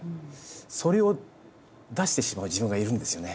それを出してしまう自分がいるんですよね。